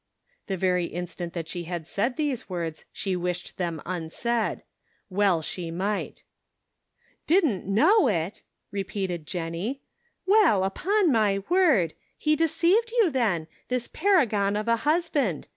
The very instant that she had said those words she wished them unsaid. Well she might. 166 The Pocket Measure. " Didn't know it !" repeated Jennie. " Well upon my word ! He deceived you, then, this paragon of a husband